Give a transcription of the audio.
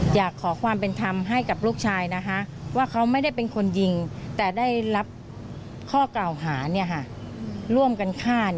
อยากขอความเป็นธรรมให้กับลูกชายนะคะว่าเขาไม่ได้เป็นคนยิงแต่ได้รับข้อกล่าวหาร่วมกันฆ่า